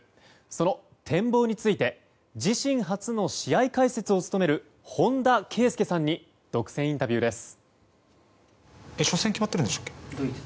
その展望について自身初の試合解説を務める本田圭佑さんに独占インタビューです。